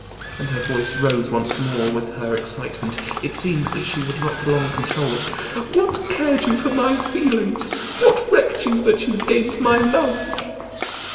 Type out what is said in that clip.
and her voice rose once more with her excitement; it seemed that she would not long control it. "What cared you for my feelings? What recked you that you gained my love?"